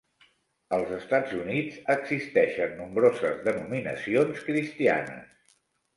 Als Estats Units existeixen nombroses denominacions cristianes.